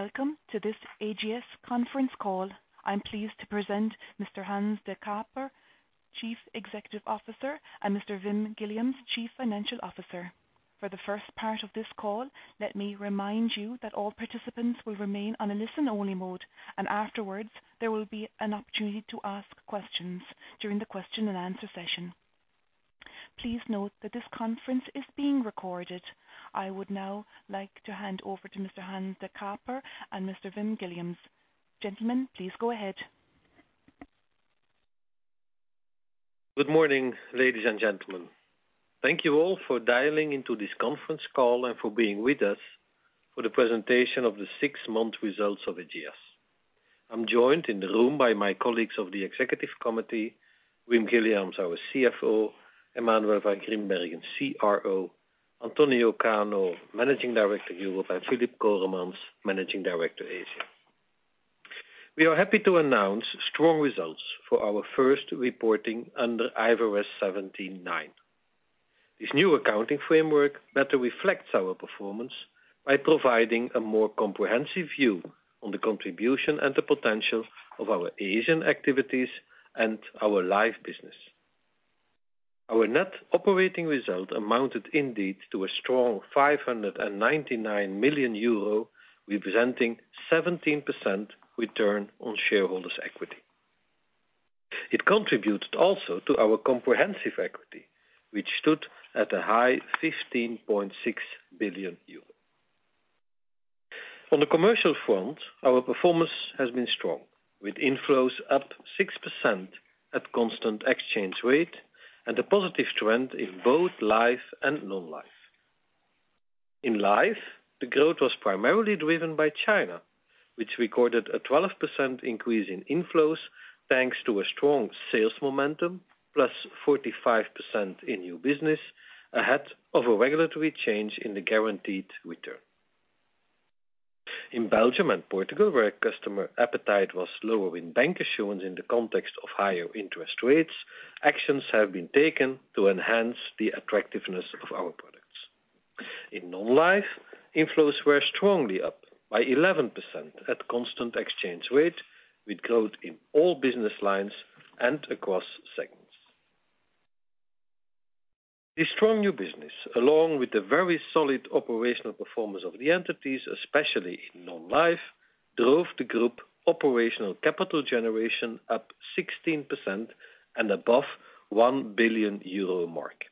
Welcome to this Ageas conference call. I'm pleased to present Mr. Hans De Cuyper, Chief Executive Officer, and Mr. Wim Guilliams, Chief Financial Officer. For the first part of this call, let me remind you that all participants will remain on a listen-only mode, and afterwards, there will be an opportunity to ask questions during the question and answer session. Please note that this conference is being recorded. I would now like to hand over to Mr. Hans De Cuyper and Mr. Wim Guilliams. Gentlemen, please go ahead. Good morning, ladies and gentlemen. Thank you all for dialing into this conference call and for being with us for the presentation of the six-month results of Ageas. I'm joined in the room by my colleagues of the executive committee, Wim Guilliams, our CFO, Emmanuel Van Grimbergen, CRO, Antonio Cano, Managing Director Europe, and Filip Coremans, Managing Director Asia. We are happy to announce strong results for our first reporting under IFRS 17, IFRS 9. This new accounting framework better reflects our performance by providing a more comprehensive view on the contribution and the potential of our Asian activities and our life business. Our net operating result amounted indeed to a strong 599 million euro, representing 17% return on shareholders' equity. It contributed also to our comprehensive equity, which stood at a high 15.6 billion euros. On the commercial front, our performance has been strong, with inflows up 6% at constant exchange rate and a positive trend in both life and non-life. In life, the growth was primarily driven by China, which recorded a 12% increase in inflows, thanks to a strong sales momentum, +45% in new business, ahead of a regulatory change in the guaranteed return. In Belgium and Portugal, where customer appetite was lower in bancassurance in the context of higher interest rates, actions have been taken to enhance the attractiveness of our products. In non-life, inflows were strongly up by 11% at constant exchange rate, with growth in all business lines and across segments. The strong new business, along with the very solid operational performance of the entities, especially in non-life, drove the group operational capital generation up 16% and above 1 billion euro mark.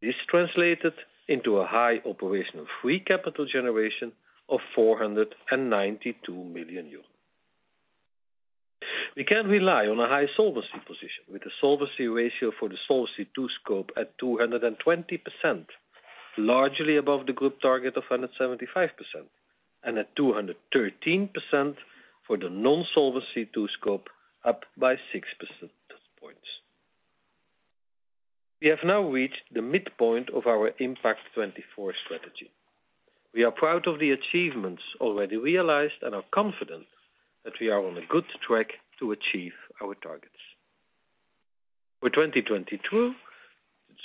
This translated into a high operational free capital generation of 492 million euros. We can rely on a high solvency position, with a solvency ratio for the Solvency II scope at 220%, largely above the group target of 175%, and at 213% for the non-Solvency II scope, up by 6 percentage points. We have now reached the midpoint of our Impact24 strategy. We are proud of the achievements already realized and are confident that we are on a good track to achieve our targets. For 2022,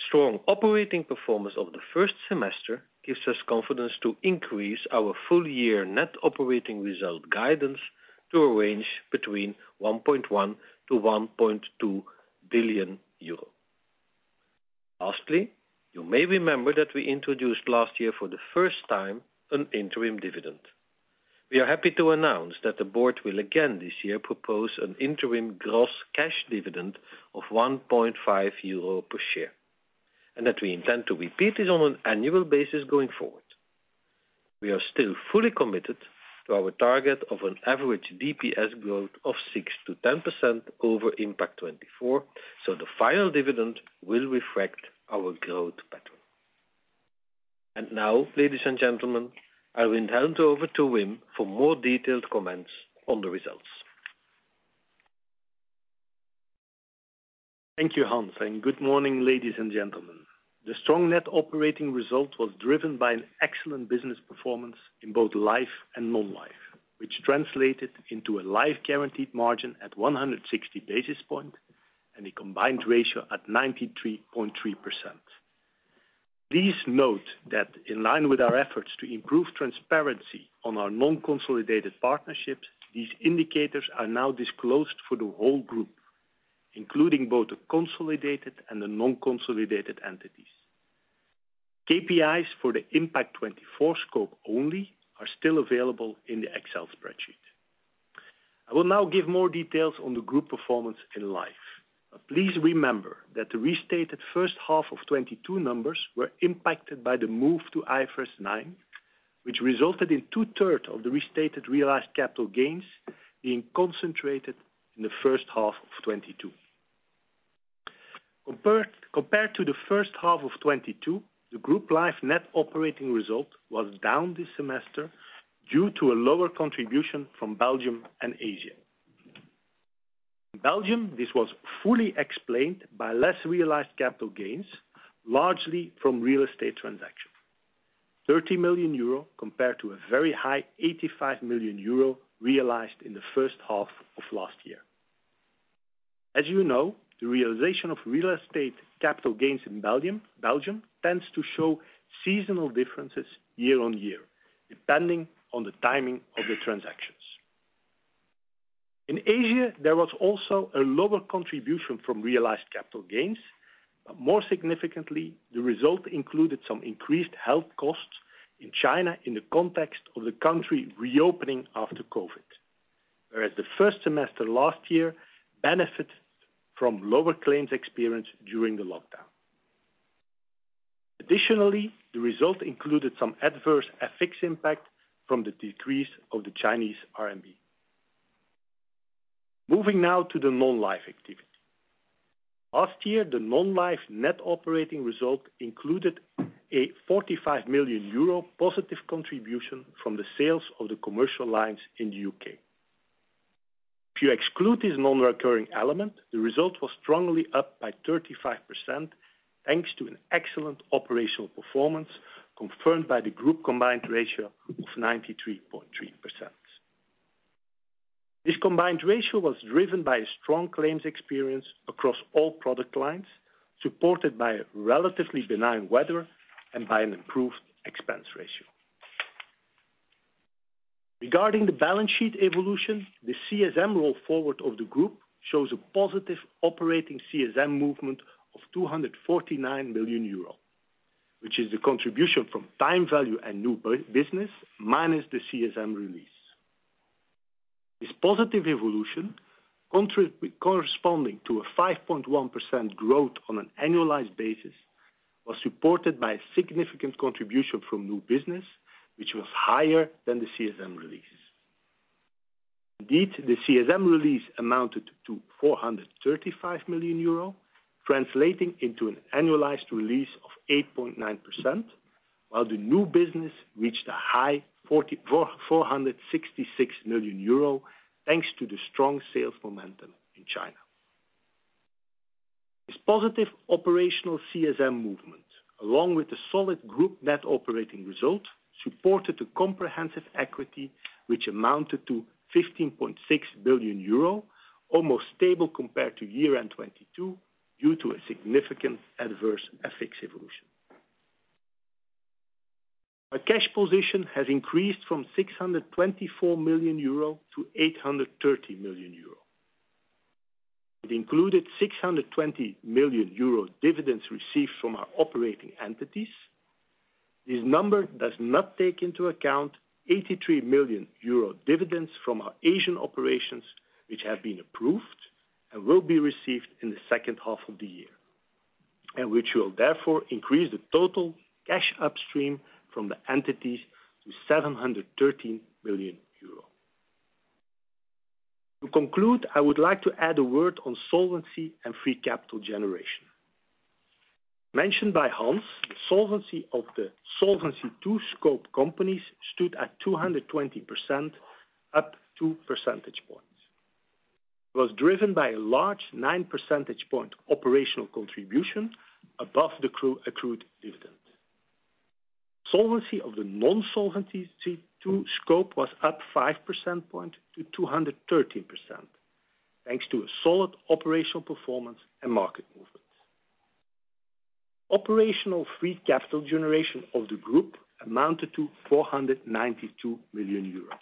strong operating performance of the first semester gives us confidence to increase our full year net operating result guidance to a range between 1.1 billion-1.2 billion euro. Lastly, you may remember that we introduced last year, for the first time, an interim dividend. We are happy to announce that the board will again this year propose an interim gross cash dividend of 1.5 euro per share, and that we intend to repeat this on an annual basis going forward. We are still fully committed to our target of an average DPS growth of 6%-10% over Impact24, so the final dividend will reflect our growth pattern. Now, ladies and gentlemen, I will hand over to Wim for more detailed comments on the results. Thank you, Hans, and good morning, ladies and gentlemen. The strong net operating result was driven by an excellent business performance in both life and non-life, which translated into a life guaranteed margin at 160 basis points and a combined ratio at 93.3%. Please note that in line with our efforts to improve transparency on our non-consolidated partnerships, these indicators are now disclosed for the whole group, including both the consolidated and the non-consolidated entities. KPIs for the Impact24 scope only are still available in the Excel spreadsheet. I will now give more details on the group performance in life. But please remember that the restated first half of 2022 numbers were impacted by the move to IFRS 9, which resulted in two-thirds of the restated realized capital gains being concentrated in the first half of 2022. Compared to the first half of 2022, the group life net operating result was down this semester due to a lower contribution from Belgium and Asia. Belgium, this was fully explained by less realized capital gains, largely from real estate transactions. 30 million euro, compared to a very high 85 million euro, realized in the first half of last year. As you know, the realization of real estate capital gains in Belgium tends to show seasonal differences year on year, depending on the timing of the transactions. In Asia, there was also a lower contribution from realized capital gains, but more significantly, the result included some increased health costs in China in the context of the country reopening after COVID. Whereas the first semester last year benefit from lower claims experience during the lockdown. Additionally, the result included some adverse FX impact from the decrease of the Chinese RMB. Moving now to the non-life activity. Last year, the non-life net operating result included a 45 million euro positive contribution from the sales of the commercial lines in the U.K. If you exclude this non-recurring element, the result was strongly up by 35%, thanks to an excellent operational performance, confirmed by the group combined ratio of 93.3%. This combined ratio was driven by a strong claims experience across all product lines, supported by a relatively benign weather and by an improved expense ratio. Regarding the balance sheet evolution, the CSM roll forward of the group shows a positive operating CSM movement of 249 million euro, which is the contribution from time value and new business, minus the CSM release. This positive evolution, corresponding to a 5.1% growth on an annualized basis, was supported by a significant contribution from new business, which was higher than the CSM releases. Indeed, the CSM release amounted to 435 million euro, translating into an annualized release of 8.9%, while the new business reached a high 466 million euro, thanks to the strong sales momentum in China. This positive operational CSM movement, along with the solid group net operating result, supported the comprehensive equity, which amounted to 15.6 billion euro, almost stable compared to year-end 2022, due to a significant adverse FX evolution. Our cash position has increased from 624 million euro to 830 million euro. It included 620 million euro dividends received from our operating entities. This number does not take into account 83 million euro dividends from our Asian operations, which have been approved and will be received in the second half of the year. And which will therefore increase the total cash upstream from the entities to 713 million euro. To conclude, I would like to add a word on solvency and free capital generation. Mentioned by Hans, the solvency of the Solvency II scope companies stood at 220%, up two percentage points. It was driven by a large nine percentage point operational contribution above the accrued dividend. Solvency of the Non-Solvency II scope was up five percentage points to 213%, thanks to a solid operational performance and market movements. Operational free capital generation of the group amounted to 492 million euros.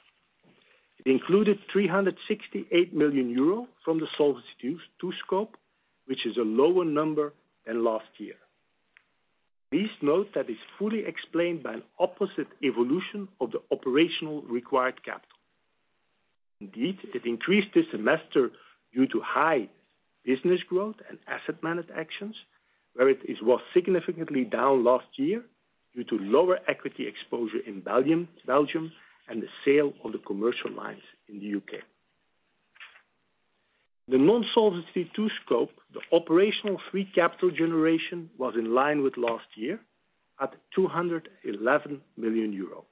It included 368 million euros from the Solvency II scope, which is a lower number than last year. Please note that is fully explained by an opposite evolution of the operational required capital. Indeed, it increased this semester due to high business growth and asset management actions, where it was significantly down last year due to lower equity exposure in Belgium and the sale of the commercial lines in the UK. The Non-Solvency II scope, the operational free capital generation, was in line with last year at 211 million euro,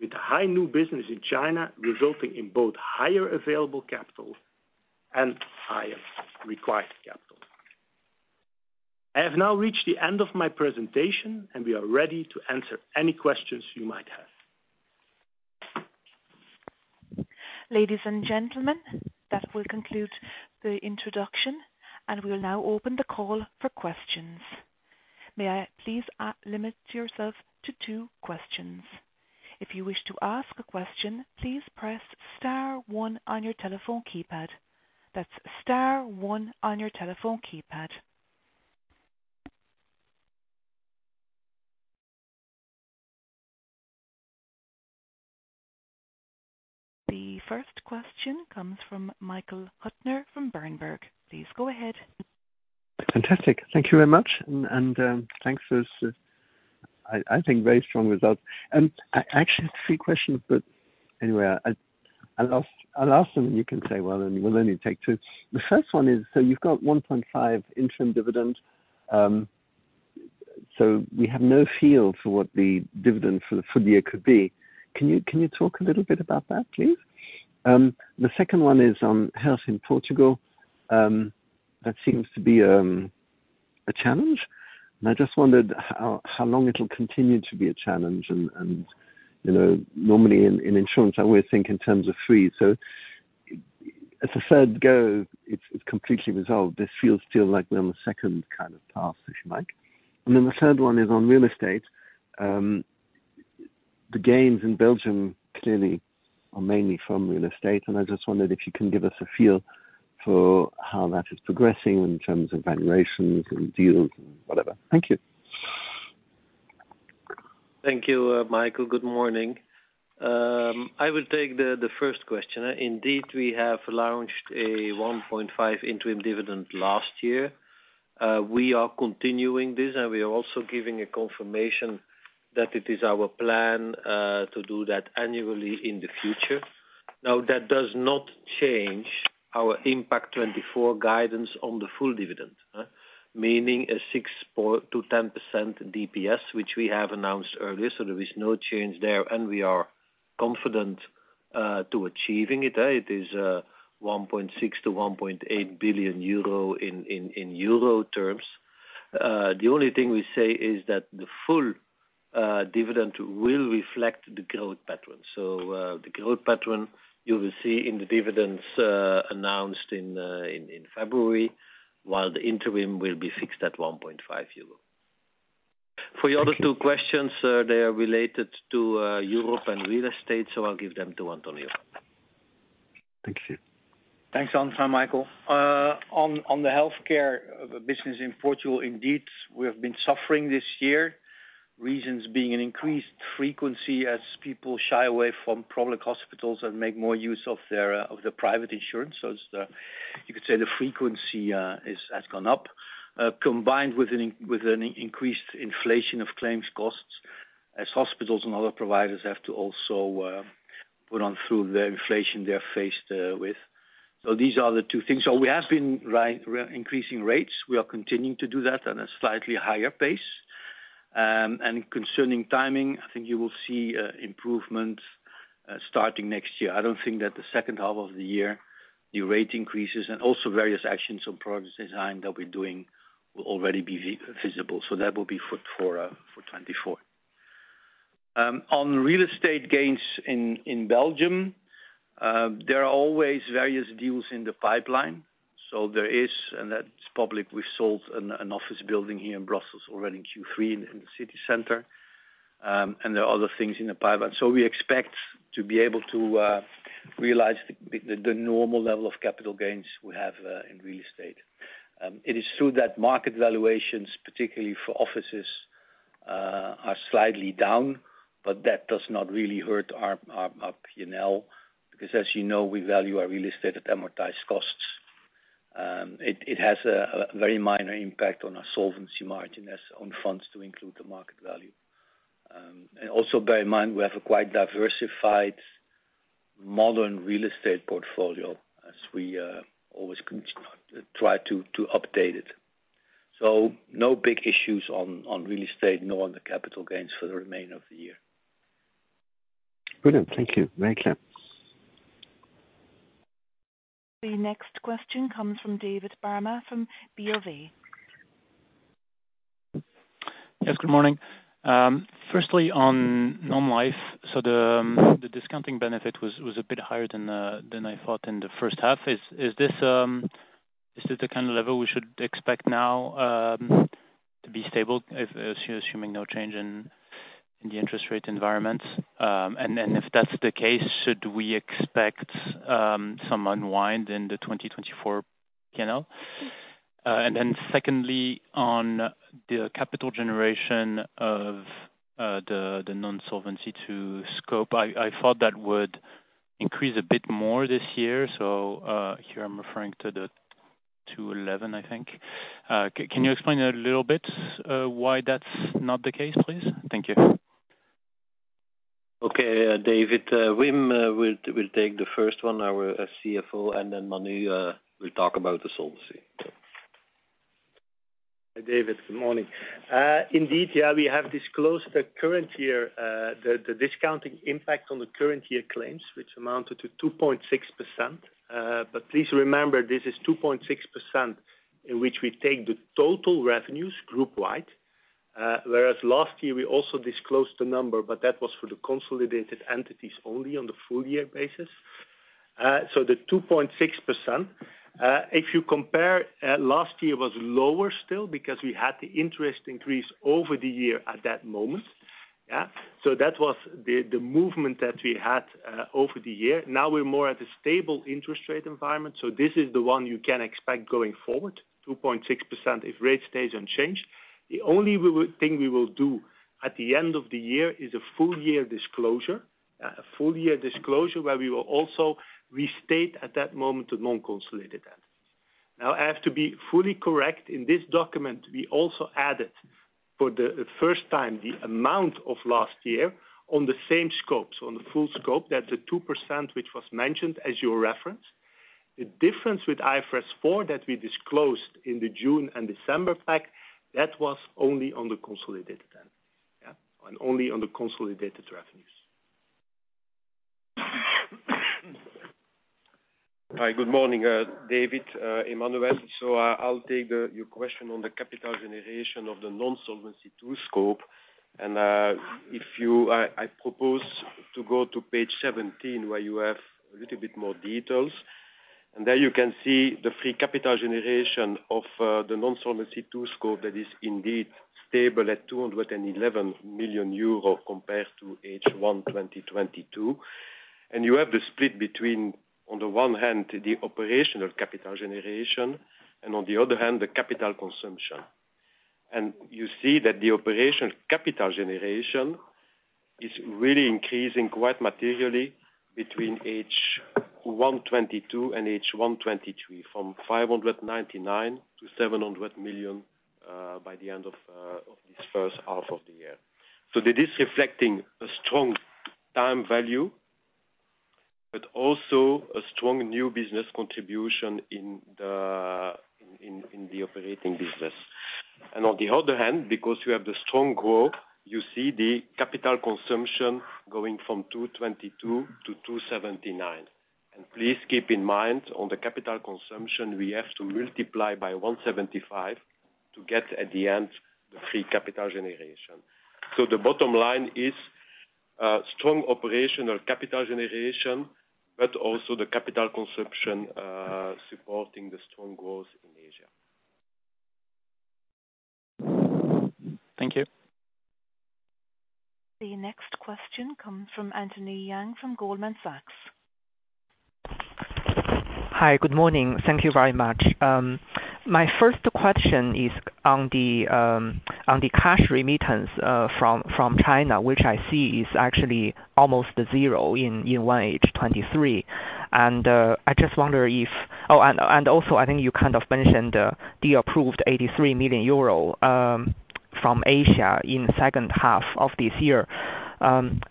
with high new business in China, resulting in both higher available capital and higher required capital. I have now reached the end of my presentation, and we are ready to answer any questions you might have. Ladies and gentlemen, that will conclude the introduction, and we will now open the call for questions. May I please limit yourself to two questions. If you wish to ask a question, please press star one on your telephone keypad. That's star one on your telephone keypad. The first question comes from Michael Huttner from Berenberg. Please go ahead. Fantastic. Thank you very much. And thanks for this, I think, very strong results. I actually have three questions, but anyway, I'll ask them and you can say, "Well, then we'll only take two." The first one is, so you've got 1.5 interim dividend, so we have no feel for what the dividend for the full year could be. Can you talk a little bit about that, please? The second one is on health in Portugal, that seems to be a challenge, and I just wondered how long it'll continue to be a challenge? And you know, normally in insurance, I always think in terms of three. As a third go, it's completely resolved. This feels like we're on the second kind of task, if you like. And then the third one is on real estate. The gains in Belgium clearly are mainly from real estate, and I just wondered if you can give us a feel for how that is progressing in terms of valuations and deals and whatever. Thank you. Thank you, Michael. Good morning. I will take the first question. Indeed, we have launched a 1.5 interim dividend last year. We are continuing this, and we are also giving a confirmation that it is our plan to do that annually in the future. Now, that does not change our Impact24 guidance on the full dividend, meaning a 6%-10% DPS, which we have announced earlier. So there is no change there, and we are confident to achieving it. It is 1.6 billion-1.8 billion euro in euro terms. The only thing we say is that the full dividend will reflect the growth pattern. So, the growth pattern you will see in the dividends announced in February, while the interim will be fixed at 1.5 euro. For your other two questions, they are related to Europe and real estate, so I'll give them to Antonio. Thank you. Thanks. Antonio, Michael, on the healthcare business in Portugal, indeed, we have been suffering this year. Reasons being an increased frequency as people shy away from public hospitals and make more use of their private insurance. So it's the, you could say the frequency has gone up, combined with an increased inflation of claims costs, as hospitals and other providers have to also put on through the inflation they are faced with. So these are the two things. So we have been increasing rates. We are continuing to do that at a slightly higher pace. And concerning timing, I think you will see improvement starting next year. I don't think that the second half of the year, the rate increases and also various actions on product design that we're doing will already be visible, so that will be for 2024. On real estate gains in Belgium, there are always various deals in the pipeline, so there is, and that's public, we've sold an office building here in Brussels, already in Q3, in the city center. And there are other things in the pipeline. So we expect to be able to realize the normal level of capital gains we have in real estate. It is true that market valuations, particularly for offices, are slightly down, but that does not really hurt our P&L, because as you know, we value our real estate at amortized costs. It has a very minor impact on our solvency margin, as own funds to include the market value. And also bear in mind, we have a quite diversified modern real estate portfolio, as we always try to update it. So no big issues on real estate, nor on the capital gains for the remainder of the year. Good. Thank you. Very clear. The next question comes from David Barma, from BofA. Yes, good morning. Firstly on non-life, so the discounting benefit was a bit higher than I thought in the first half. Is this the kind of level we should expect now to be stable, assuming no change in the interest rate environment? And then if that's the case, should we expect some unwind in the 2024 P&L? And then secondly, on the capital generation of the Non-Solvency II scope, I thought that would increase a bit more this year, so here I'm referring to the 2.11, I think. Can you explain a little bit why that's not the case, please? Thank you. Okay, David, Wim will take the first one, our CFO, and then Emmanuel will talk about the solvency. David, good morning. Indeed, yeah, we have disclosed the current year, the discounting impact on the current year claims, which amounted to 2.6%. But please remember, this is 2.6%, in which we take the total revenues groupwide. Whereas last year we also disclosed the number, but that was for the consolidated entities only on the full year basis. So the 2.6%, if you compare, last year was lower still because we had the interest increase over the year at that moment. Yeah? So that was the movement that we had, over the year. Now we're more at a stable interest rate environment, so this is the one you can expect going forward, 2.6%, if rate stays unchanged. The only thing we will do at the end of the year is a full year disclosure. A full year disclosure, where we will also restate at that moment, the non-consolidated entity. Now, I have to be fully correct, in this document, we also added for the first time the amount of last year on the same scopes, on the full scope, that's the 2%, which was mentioned as your reference. The difference with IFRS 4 that we disclosed in the June and December pack was only on the consolidated entity. Yeah, and only on the consolidated revenues. Hi, good morning, David, Emmanuel. So I'll take your question on the capital generation of the Non-Solvency II scope. And if you, I propose to go to Page 17, where you have a little bit more details. And there you can see the free capital generation of the Non-Solvency II scope that is indeed stable at 211 million euros compared to H1 in 2022. And you have the split between, on the one hand, the operational capital generation, and on the other hand, the capital consumption. And you see that the operational capital generation is really increasing quite materially between H1 2022 and H1 2023, from 599 million to 700 million by the end of this first half of the year. It is reflecting a strong time value, but also a strong new business contribution in the operating business. On the other hand, because you have the strong growth, you see the capital consumption going from 222 million to 279 million. Please keep in mind, on the capital consumption, we have to multiply by 175 to get at the end, the free capital generation. The bottom line is, strong operational capital generation, but also the capital consumption, supporting the strong growth in Asia. Thank you. The next question comes from Anthony Yang, from Goldman Sachs Group, Inc. Hi, good morning. Thank you very much. My first question is on the cash remittance from China, which I see is actually almost zero in 1H 2023. And I just wonder if—oh, and also, I think you kind of mentioned the approved 83 million euro from Asia in the second half of this year.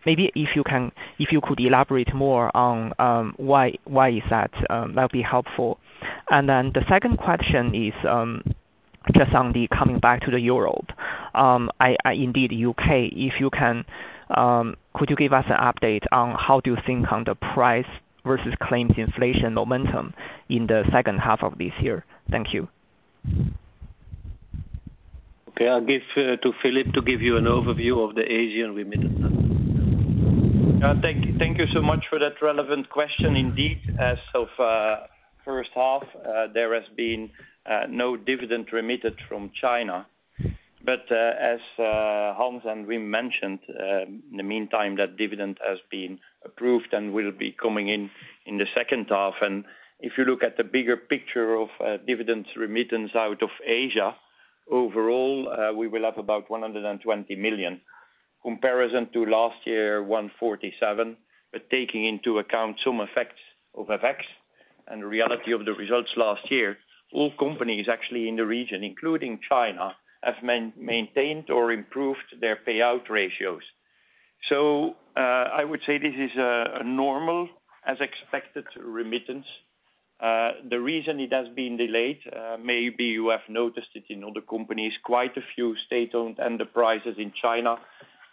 Maybe if you can, if you could elaborate more on why is that, that'd be helpful. And then the second question is just on coming back to Europe. I mean U.K., if you can, could you give us an update on how do you think on the price versus claims inflation momentum in the second half of this year? Thank you. Okay, I'll give to Filip to give you an overview of the Asian remittance. Thank you so much for that relevant question indeed. As of first half, there has been no dividend remitted from China. But as Hans and Wim mentioned, in the meantime, that dividend has been approved and will be coming in the second half. And if you look at the bigger picture of dividends remittance out of Asia, overall, we will have about 120 million. Comparison to last year, 147 million, but taking into account some effects and the reality of the results last year, all companies actually in the region, including China, have maintained or improved their payout ratios. So I would say this is a normal as expected remittance. The reason it has been delayed, maybe you have noticed it in other companies, quite a few state-owned enterprises in China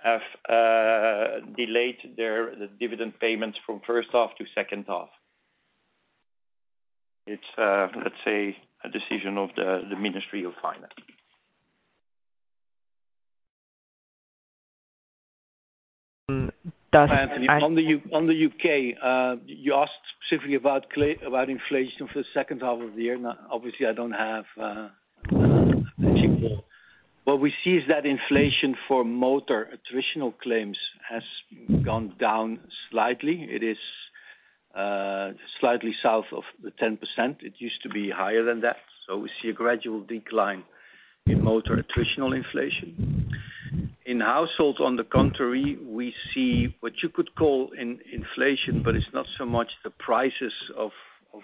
have delayed their dividend payments from first half to second half. It's, let's say, a decision of the Ministry of Finance. On the UK, you asked specifically about inflation for the second half of the year. Now, obviously, what we see is that inflation for motor attritional claims has gone down slightly. It is slightly south of the 10%. It used to be higher than that, so we see a gradual decline in motor attritional inflation. In households, on the contrary, we see what you could call inflation, but it's not so much the prices of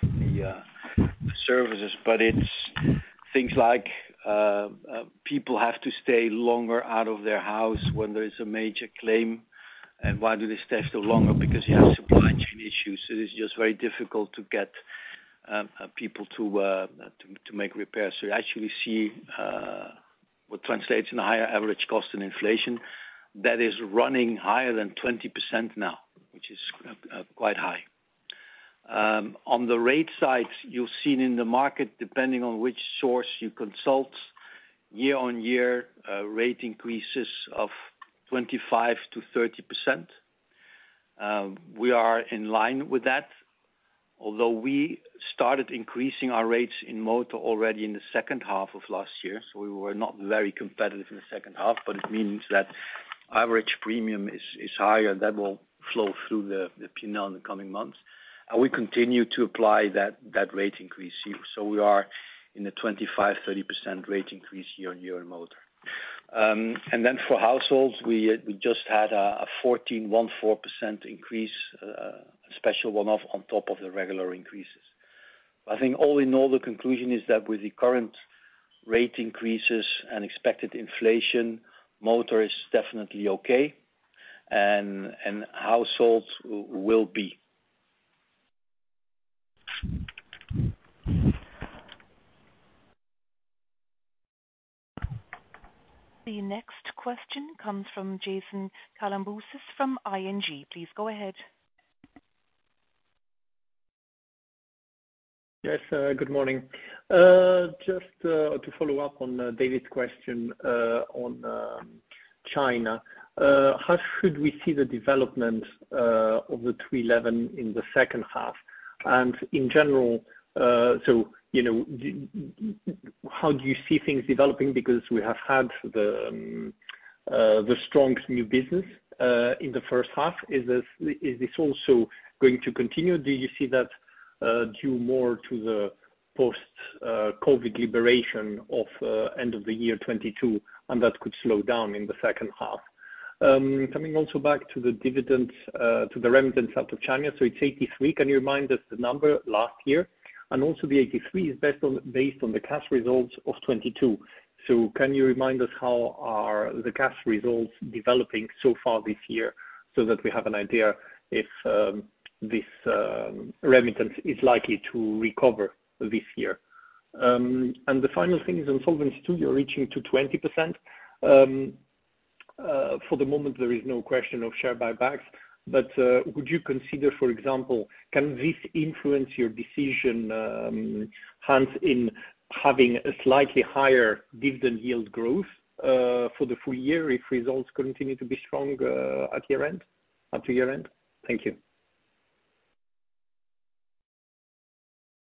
the services, but it's things like people have to stay longer out of their house when there is a major claim. And why do they stay so longer? Because you have supply chain issues, so it's just very difficult to get people to make repairs. So you actually see what translates in a higher average cost in inflation that is running higher than 20% now, which is quite high. On the rate side, you've seen in the market, depending on which source you consult, year-on-year rate increases of 25%-30%. We are in line with that, although we started increasing our rates in motor already in the second half of last year, so we were not very competitive in the second half, but it means that average premium is higher. That will flow through the P&L in the coming months, and we continue to apply that rate increase here. So we are in the 25%-30% rate increase year-on-year in motor. And then for households, we just had a 14.4% increase, a special one-off on top of the regular increases. I think all in all, the conclusion is that with the current rate increases and expected inflation, motor is definitely okay, and households will be. The next question comes from Jason Kalamboussis from ING. Please go ahead. Yes, good morning. Just to follow up on David's question on China. How should we see the development of the 211 million in the second half, and in general, so, you know, how do you see things developing? Because we have had the strong new business in the first half. Is this also going to continue? Do you see that due more to the post-COVID liberation of end of the year 2022, and that could slow down in the second half? Coming also back to the dividends to the remittance out of China, so it's 83. Can you remind us the number last year? And also, the 83 is based on, based on the cash results of 2022. So can you remind us how are the cash results developing so far this year, so that we have an idea if this remittance is likely to recover this year? And the final thing is on solvency, too, you're reaching to 20%. For the moment there is no question of share buybacks, but would you consider, for example, can this influence your decision, hence, in having a slightly higher dividend yield growth, for the full year if results continue to be strong, at year-end, up to year-end? Thank you.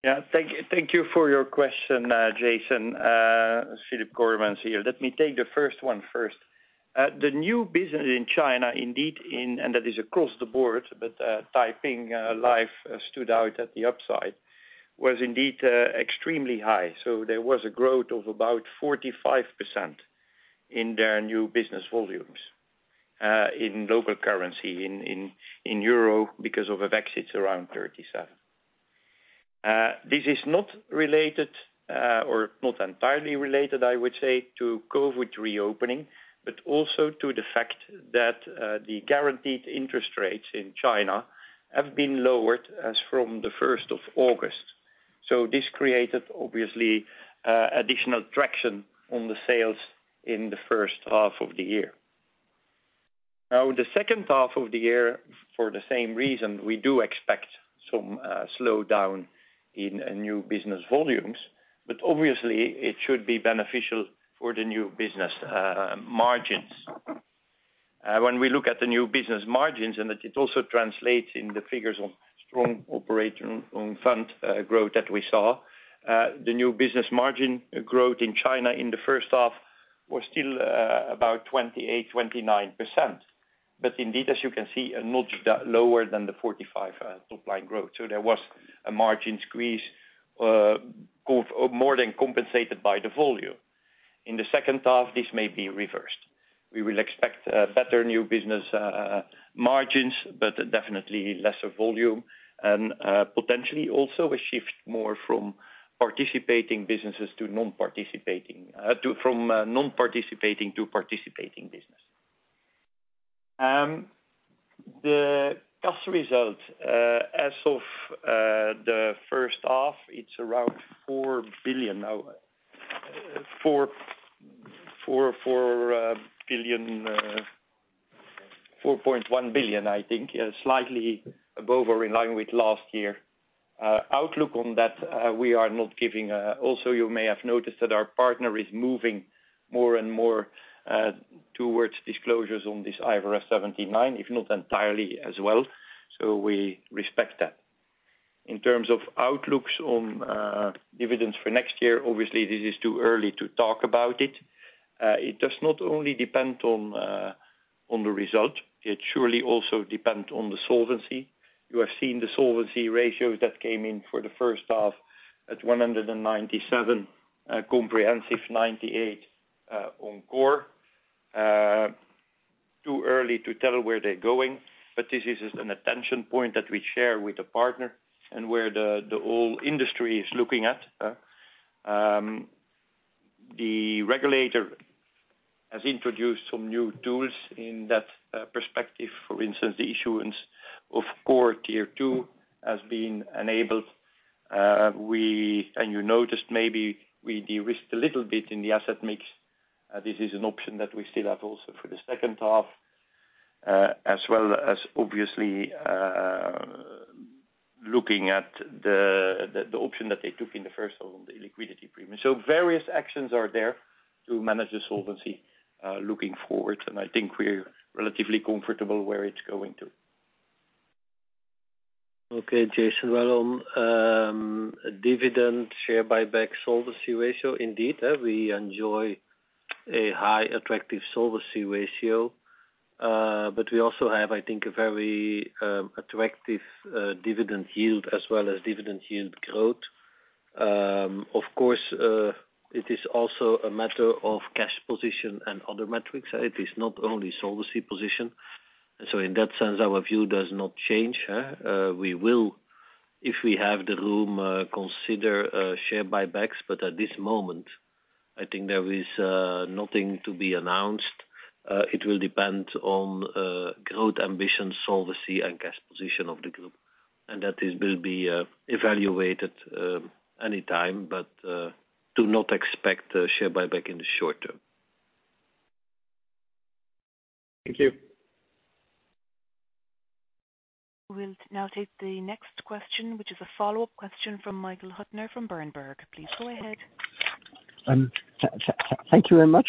Yeah, thank you for your question, Jason. Filip Coremans here. Let me take the first one first. The new business in China, indeed, and that is across the board, but Taiping Life stood out at the upside, was indeed extremely high. So there was a growth of about 45% in their new business volumes in local currency. In euro, because of FX, it's around 37%. This is not related, or not entirely related, I would say, to COVID reopening, but also to the fact that the guaranteed interest rates in China have been lowered as from the first of August. So this created, obviously, additional traction on the sales in the first half of the year. Now, the second half of the year, for the same reason, we do expect some slowdown in new business volumes, but obviously it should be beneficial for the new business margins. When we look at the new business margins, and it also translates in the figures of strong operating own fund growth that we saw. The new business margin growth in China in the first half was still about 28-29%. But indeed, as you can see, a notch lower than the 45% top line growth. So there was a margin squeeze, go more than compensated by the volume. In the second half, this may be reversed. We will expect better new business margins, but definitely lesser volume, and potentially also a shift more from participating businesses to non-participating, to, from non-participating to participating business. The cash result, as of the first half, it's around 4 billion. Now, 4.1 billion, I think, slightly above or in line with last year. Outlook on that, we are not giving. Also, you may have noticed that our partner is moving more and more towards disclosures on this IFRS 17, if not entirely as well, so we respect that. In terms of outlooks on dividends for next year, obviously this is too early to talk about it. It does not only depend on the result, it surely also depend on the solvency. You have seen the solvency ratios that came in for the first half at 197, comprehensive 198, on core. Too early to tell where they're going, but this is an attention point that we share with the partner and where the whole industry is looking at. The regulator has introduced some new tools in that perspective. For instance, the issuance of Core Tier 2 has been enabled. And you noticed maybe we de-risked a little bit in the asset mix. This is an option that we still have also for the second half, as well as obviously, looking at the option that they took in the first of the liquidity premium. So various actions are there to manage the solvency, looking forward, and I think we're relatively comfortable where it's going to. Okay, Jason, well, on, dividend share buyback solvency ratio, indeed, we enjoy a high attractive solvency ratio. But we also have, I think, a very, attractive, dividend yield as well as dividend yield growth. Of course, it is also a matter of cash position and other metrics. It is not only solvency position. So in that sense, our view does not change, we will, if we have the room, consider, share buybacks, but at this moment, I think there is, nothing to be announced. It will depend on growth, ambition, solvency, and cash position of the group, and that will be evaluated anytime, but do not expect a share buyback in the short term. Thank you. We'll now take the next question, which is a follow-up question from Michael Huttner from Berenberg. Please go ahead. Thank you very much.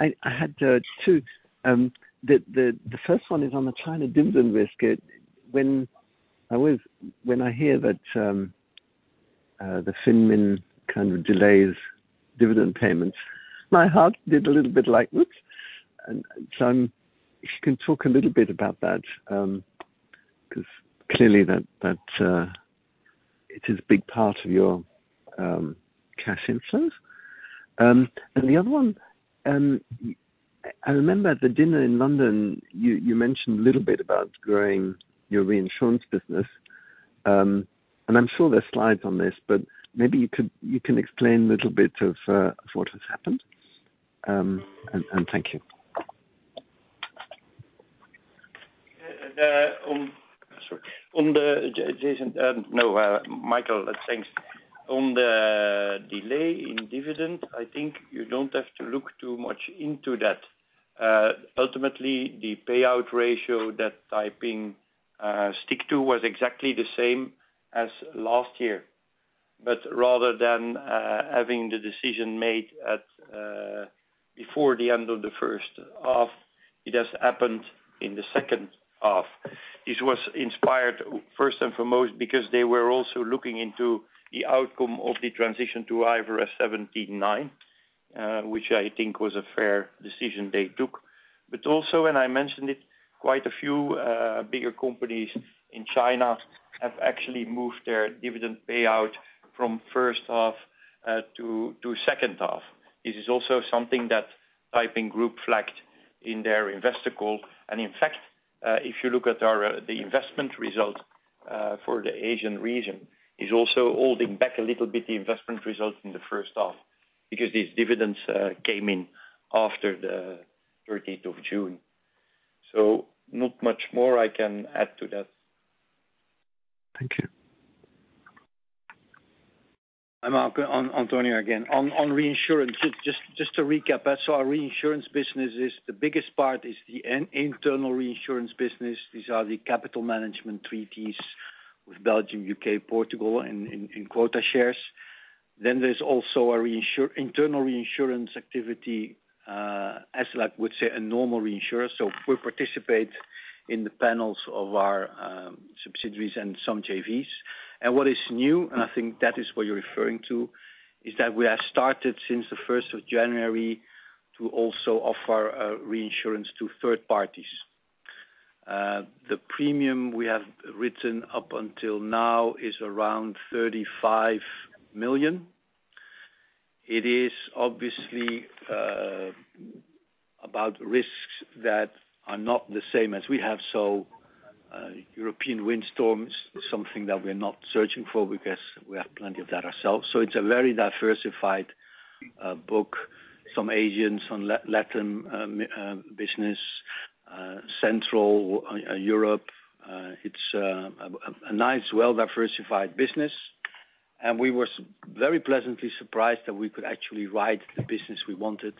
I had two. The first one is on the China dividend risk. It – when I hear that the FinMin kind of delays dividend payments, my heart did a little bit like, whoops. And so if you can talk a little bit about that, 'cause clearly that it is a big part of your cash inflows. And the other one, I remember at the dinner in London, you mentioned a little bit about growing your reinsurance business. And I'm sure there's slides on this, but maybe you can explain a little bit of what has happened. And thank you. Sorry. On the Jason, no, Michael, thanks. On the delay in dividend, I think you don't have to look too much into that. Ultimately, the payout ratio that Taiping stick to was exactly the same as last year. But rather than having the decision made at before the end of the first half, it has happened in the second half. This was inspired, first and foremost, because they were also looking into the outcome of the transition to IFRS 17, which I think was a fair decision they took. But also, and I mentioned it, quite a few bigger companies in China have actually moved their dividend payout from first half to second half. This is also something that Taiping Group flagged in their investor call. In fact, if you look at our, the investment result for the Asian region, is also holding back a little bit the investment results in the first half, because these dividends came in after the thirteenth of June. So not much more I can add to that. Thank you. I'm on Antonio again. On reinsurance, just to recap, so our reinsurance business is the biggest part, is the internal reinsurance business. These are the capital management treaties with Belgium, UK, Portugal, and quota shares. Then there's also internal reinsurance activity, as I would say, a normal reinsurer. So we participate in the panels of our subsidiaries and some JVs. And what is new, and I think that is what you're referring to, is that we have started since the first of January to also offer reinsurance to third parties. The premium we have written up until now is around 35 million. It is obviously about risks that are not the same as we have. So European windstorms, something that we're not searching for because we have plenty of that ourselves. So it's a very diversified book. Some Asian non-life business in Central Europe. It's a nice, well-diversified business, and we were very pleasantly surprised that we could actually write the business we wanted.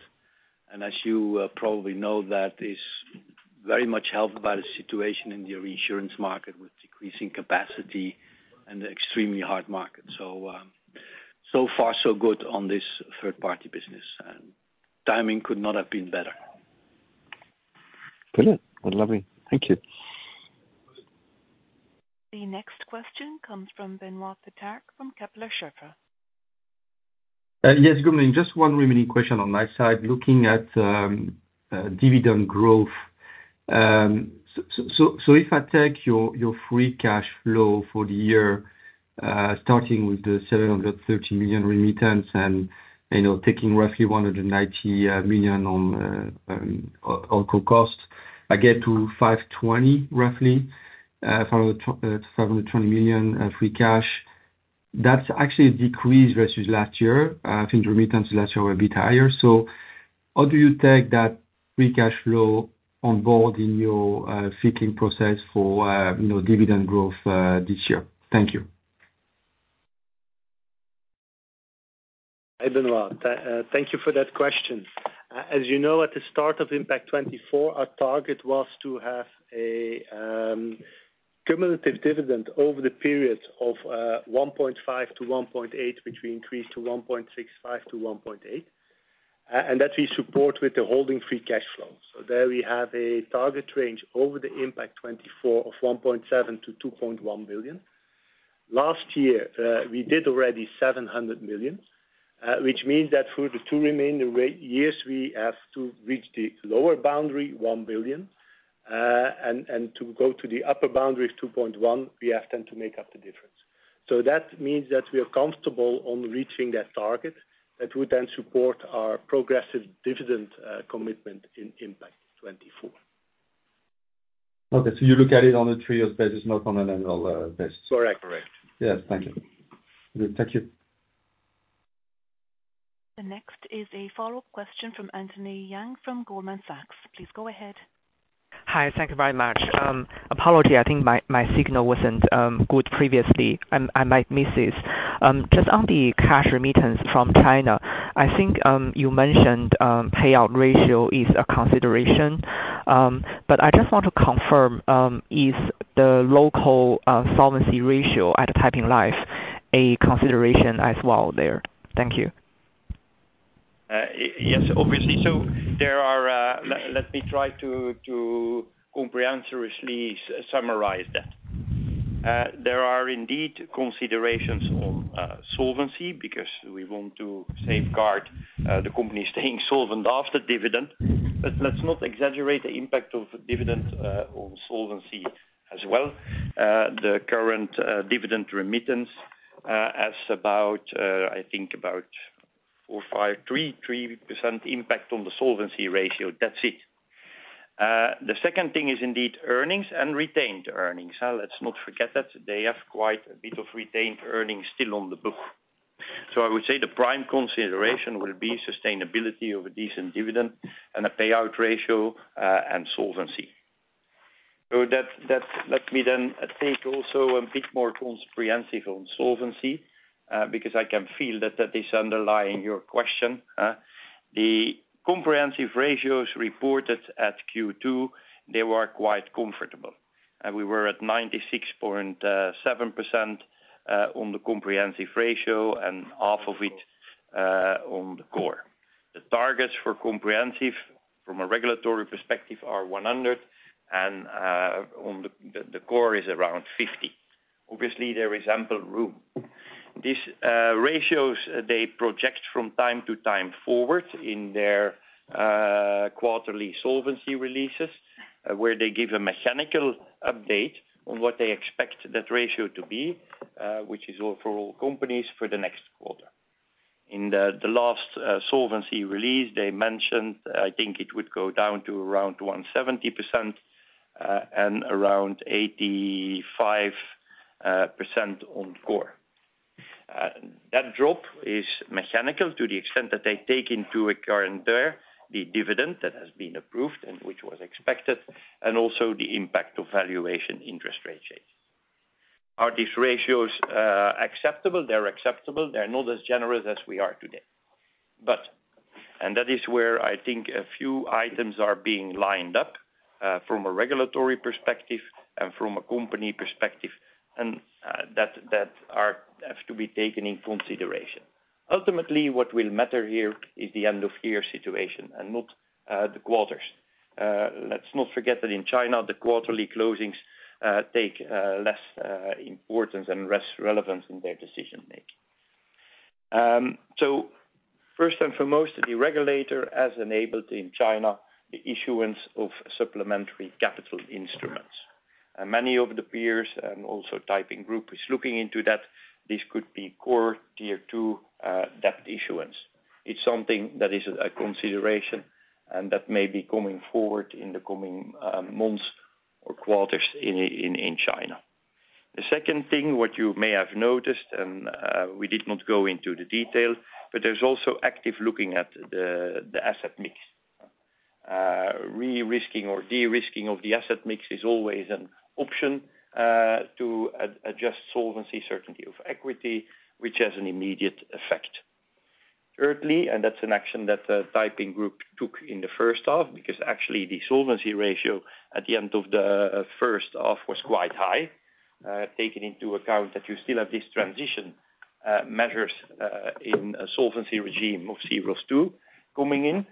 And as you probably know, that is very much helped by the situation in the reinsurance market, with decreasing capacity and extremely hard market. So, so far, so good on this third party business, and timing could not have been better. Brilliant. Well, lovely. Thank you. The next question comes fromBenoît Pétrarque, from Kepler Cheuvreux. Yes, good morning. Just one remaining question on my side, looking at dividend growth. So if I take your free cash flow for the year, starting with the 730 million remittance, and, you know, taking roughly 190 million on total cost, I get to roughly 520 million of free cash. That's actually a decrease versus last year. I think remittance last year were a bit higher. So how do you take that free cash flow on board in your thinking process for, you know, dividend growth this year? Thank you. Hi, Benoit. Thank you for that question. As you know, at the start of Impact24, our target was to have a cumulative dividend over the period of 1.5 billion-1.8 billion, which we increased to 1.65 billion-1.8 billion, and that we support with the holding free cash flow. So there we have a target range over the Impact24 of 1.7 billion-2.1 billion. Last year, we did already 700 million, which means that for the two remaining years, we have to reach the lower boundary, 1 billion. And to go to the upper boundary of 2.1 billion, we have then to make up the difference. So that means that we are comfortable on reaching that target, that would then support our progressive dividend commitment in Impact24. .Okay, so you look at it on a three-year basis, not on an annual basis? Correct, correct. Yes. Thank you. Good. Thank you. The next is a follow-up question from Anthony Yang from Goldman Sachs. Please go ahead. Hi, thank you very much. Apology, I think my signal wasn't good previously. I might miss this. Just on the cash remittance from China, I think you mentioned payout ratio is a consideration. But I just want to confirm, is the local solvency ratio at Taiping Life a consideration as well there? Thank you. Yes, obviously. So there are, let me try to comprehensively summarize that. There are indeed considerations on solvency, because we want to safeguard the company staying solvent after dividend. But let's not exaggerate the impact of dividend on solvency as well. The current dividend remittance has about, I think about 4%, 5%, 3%, 3% impact on the solvency ratio. That's it. The second thing is indeed earnings and retained earnings. Let's not forget that they have quite a bit of retained earnings still on the book. So I would say the prime consideration will be sustainability of a decent dividend and a payout ratio and solvency. So that, let me then take also a bit more comprehensive on solvency, because I can feel that that is underlying your question. The comprehensive ratios reported at Q2, they were quite comfortable, and we were at 96.7% on the comprehensive ratio and half of it on the core. The targets for comprehensive from a regulatory perspective are 100, and on the core is around 50. Obviously, there is ample room. These ratios, they project from time to time forward in their quarterly solvency releases, where they give a mechanical update on what they expect that ratio to be, which is all for all companies for the next quarter. In the last solvency release they mentioned, I think it would go down to around 170% and around 85% on core. That drop is mechanical to the extent that they take into account there, the dividend that has been approved and which was expected, and also the impact of valuation interest rate change. Are these ratios acceptable? They're acceptable. They're not as generous as we are today. But, and that is where I think a few items are being lined up, from a regulatory perspective and from a company perspective, and, that, that are, have to be taken in consideration. Ultimately, what will matter here is the end-of-year situation and not, the quarters. Let's not forget that in China, the quarterly closings, take, less, importance and less relevance in their decision-making. So first and foremost, the regulator has enabled in China the issuance of supplementary capital instruments, and many of the peers and also Taiping Group is looking into that. This could be Core Tier 2 debt issuance. It's something that is a consideration and that may be coming forward in the coming months or quarters in China. The second thing, what you may have noticed, and we did not go into the detail, but there's also active looking at the asset mix. Re-risking or de-risking of the asset mix is always an option to adjust solvency certainty of equity, which has an immediate effect. Thirdly, and that's an action that Taiping Group took in the first half, because actually the solvency ratio at the end of the first half was quite high. Taking into account that you still have this transition measures in a solvency regime of C-ROSS II coming in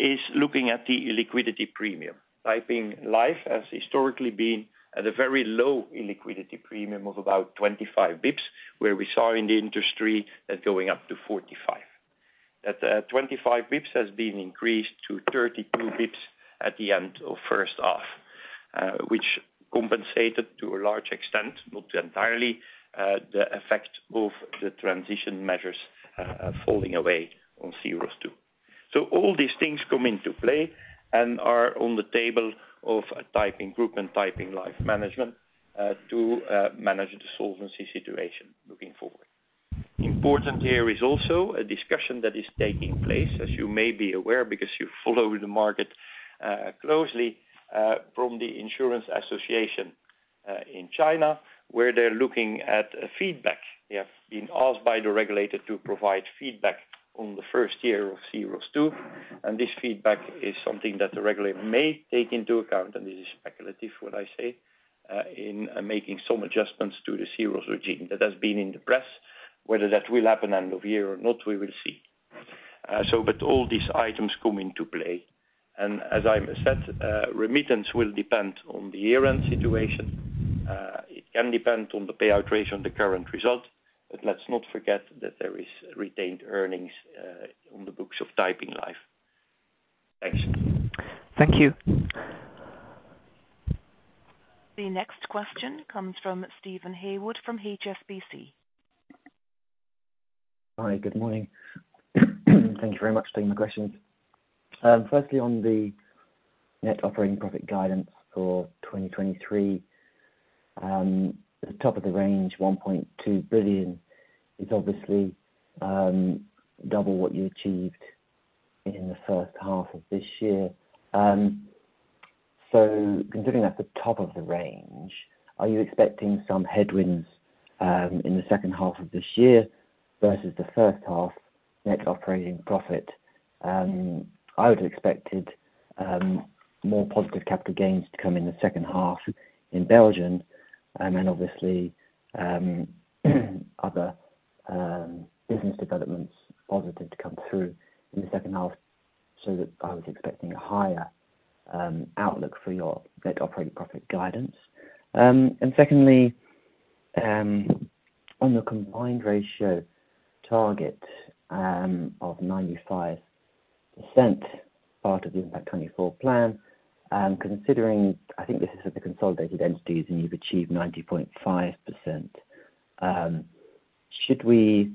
is looking at the illiquidity premium. Taiping Life has historically been at a very low illiquidity premium of about 25 bps, where we saw in the industry that going up to 45 basis points. That, 25 bps has been increased to 32 bps at the end of first half, which compensated to a large extent, not entirely, the effect of the transition measures, falling away on C-ROSS II. So all these things come into play and are on the table of Taiping Group and Taiping Life management, to manage the solvency situation looking forward. Important here is also a discussion that is taking place, as you may be aware, because you follow the market, closely, from the Insurance Association, in China, where they're looking at a feedback. They have been asked by the regulator to provide feedback on the first year of C-ROSS II, and this feedback is something that the regulator may take into account, and this is speculative, what I say, in making some adjustments to the C-ROSS regime. That has been in the press. Whether that will happen end of year or not, we will see. So but all these items come into play, and as I said, remittance will depend on the year-end situation. It can depend on the payout ratio and the current result, but let's not forget that there is retained earnings on the books of Taiping Life. Thanks. Thank you. The next question comes from Steven Haywood, from HSBC. Hi, good morning. Thank you very much for taking my questions. Firstly, on the net operating profit guidance for 2023, at the top of the range, 1.2 billion is obviously double what you achieved in the first half of this year. So considering that's the top of the range, are you expecting some headwinds in the second half of this year versus the first half net operating profit? I would expected more positive capital gains to come in the second half in Belgium, and then obviously other business developments positive to come through in the second half, so that I was expecting a higher outlook for your net operating profit guidance. And secondly, on the combined ratio target of 95%, part of the Impact24 plan, considering I think this is at the consolidated entities, and you've achieved 90.5%. Should we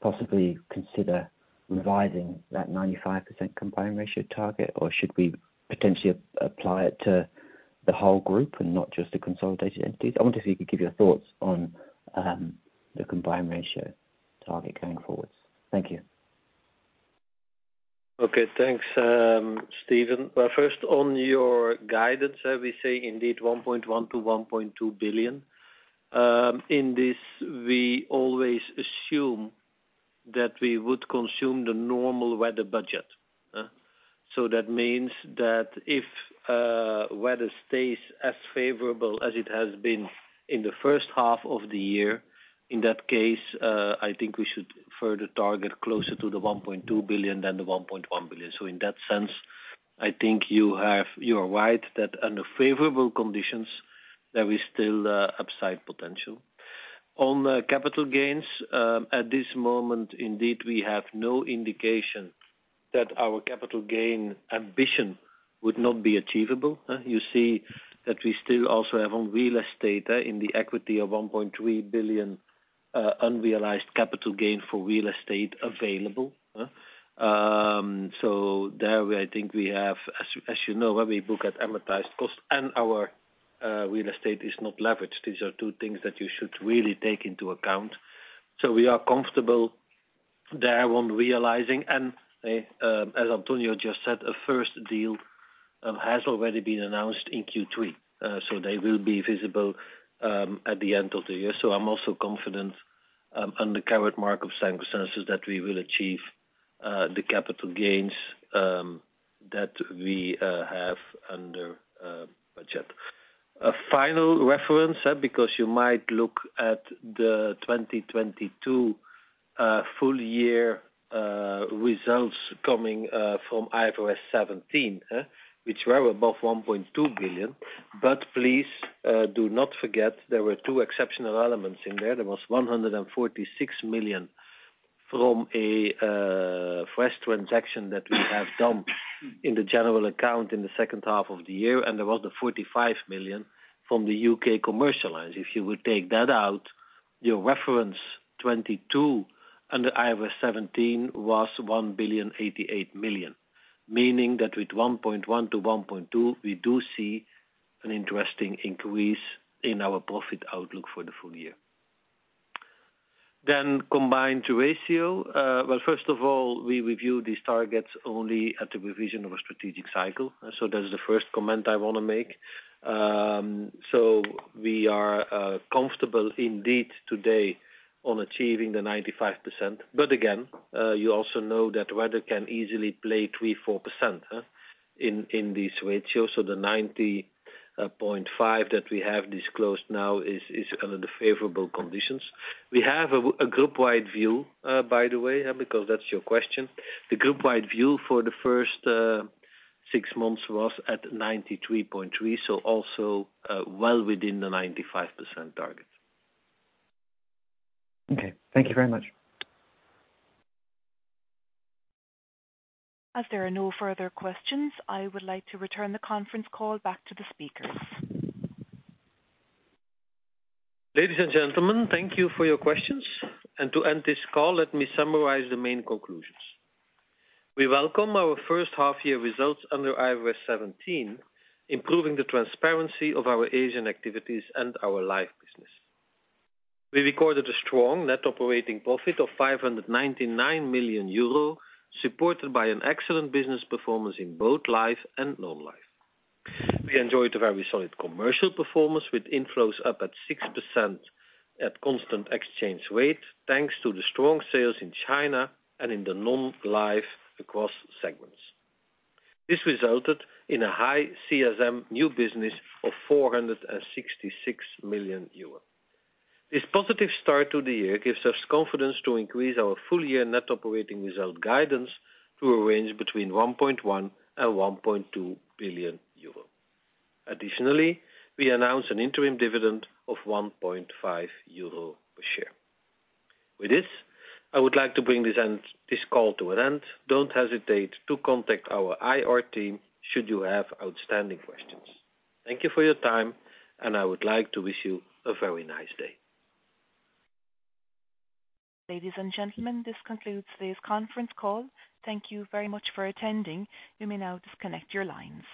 possibly consider revising that 95% combined ratio target, or should we potentially apply it to the whole group and not just the consolidated entities? I wonder if you could give your thoughts on the combined ratio target going forward. Thank you. Okay, thanks, Steven. Well, first, on your guidance, we say indeed 1.1 billion-1.2 billion. In this, we always assume that we would consume the normal weather budget, so that means that if weather stays as favorable as it has been in the first half of the year, in that case, I think we should further target closer to the 1.2 billion than the 1.1 billion. So in that sense, I think you have- you are right, that under favorable conditions, there is still upside potential. On the capital gains, at this moment, indeed, we have no indication that our capital gain ambition would not be achievable. You see that we still also have on real estate, in the equity of 1.3 billion unrealized capital gain for real estate available. So there I think we have as, as you know, where we book at amortized cost and our real estate is not leveraged. These are two things that you should really take into account. So we are comfortable there on realizing, and as Antonio just said, a first deal has already been announced in Q3, so they will be visible at the end of the year. So I'm also confident on the current mark of consensus, that we will achieve the capital gains that we have under budget. A final reference, because you might look at the 2022 full year results coming from IFRS 17, which were above 1.2 billion. But please, do not forget there were two exceptional elements in there. There was 146 million from a FRESH transaction that we have done in the general account in the second half of the year, and there was the 45 million from the U.K. commercial lines. If you would take that out, your reference 2022 under IFRS 17 was 1.088 billion. Meaning that with 1.1 billion-1.2 billion, we do see an interesting increase in our profit outlook for the full year. Then combined ratio, well, first of all, we review these targets only at the revision of a strategic cycle. So that is the first comment I wanna make. So we are comfortable indeed today on achieving the 95%. But again, you also know that weather can easily play 3-4%, in these ratios. So the 90.5 that we have disclosed now is under the favorable conditions. We have a group-wide view, by the way, because that's your question. The group-wide view for the first six months was at 93.3, so also well within the 95% target. Okay, thank you very much. As there are no further questions, I would like to return the conference call back to the speakers. Ladies and gentlemen, thank you for your questions. To end this call, let me summarize the main conclusions. We welcome our first half year results under IFRS 17, improving the transparency of our Asian activities and our life business. We recorded a strong net operating profit of 599 million euro, supported by an excellent business performance in both life and non-life. We enjoyed a very solid commercial performance, with inflows up 6% at constant exchange rate, thanks to the strong sales in China and in the non-life across segments. This resulted in a high CSM new business of 466 million euro. This positive start to the year gives us confidence to increase our full-year net operating result guidance to a range between 1.1 billion and 1.2 billion euro. Additionally, we announce an interim dividend of 1.5 euro per share. With this, I would like to bring this call to an end. Don't hesitate to contact our IR team, should you have outstanding questions. Thank you for your time, and I would like to wish you a very nice day. Ladies and gentlemen, this concludes today's conference call. Thank you very much for attending. You may now disconnect your lines.